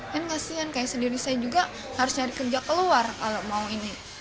dan kasihan kayak sendiri saya juga harus nyari kerja keluar kalau mau ini